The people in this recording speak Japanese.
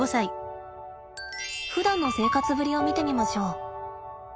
ふだんの生活ぶりを見てみましょう。